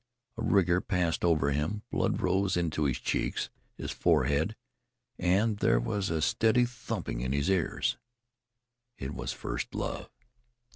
A rigour passed over him, blood rose into his cheeks, his forehead, and there was a steady thumping in his ears. It was first love.